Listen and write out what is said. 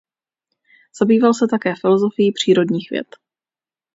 Zabýval se také filosofií přírodních věd.